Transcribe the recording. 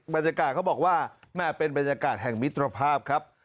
บรรยากาศเขาบอกว่าแม่เป็นบรรยากาศแห่งมิตรภาพครับ